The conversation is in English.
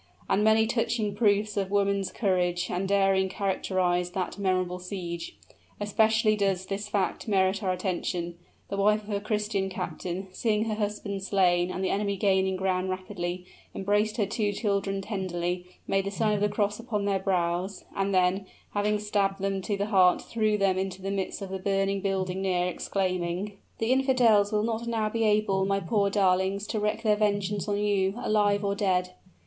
And many touching proofs of woman's courage and daring characterized that memorable siege. Especially does this fact merit our attention: The wife of a Christian captain, seeing her husband slain, and the enemy gaining ground rapidly, embraced her two children tenderly, made the sign of the cross upon their brows, and then, having stabbed them to the heart, threw them into the midst of a burning building near, exclaiming, "The infidels will not now be able, my poor darlings, to wreak their vengeance on you, alive or dead!"